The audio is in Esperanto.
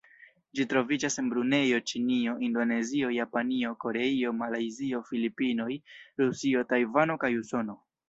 Ĝi troviĝas en Brunejo, Ĉinio, Indonezio, Japanio, Koreio, Malajzio, Filipinoj, Rusio, Tajvano kaj Usono.